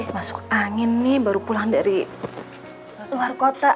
masuk angin nih baru pulang dari luar kota